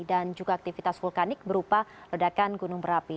dan juga aktivitas vulkanik berupa ledakan gunung berapi